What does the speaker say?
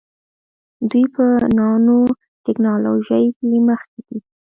دوی په نانو ټیکنالوژۍ کې مخکې دي.